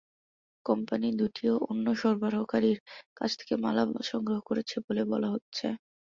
Company দুটিও অন্য সরবরাহকারীর কাছ থেকে মালামাল সংগ্রহ করেছে বলে বলা হচ্ছে।